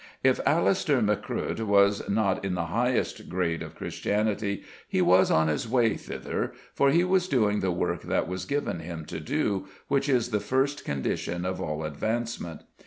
If Alister Macruadh was not in the highest grade of Christianity, he was on his way thither, for he was doing the work that was given him to do, which is the first condition of all advancement.